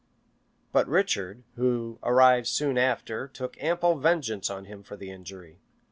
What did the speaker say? But Richard, who arrived soon after, took ample vengeance on him for the injury.